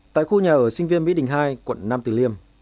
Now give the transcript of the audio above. tại khu nhà ở sinh viên mỹ đình hai quận nam tử liêm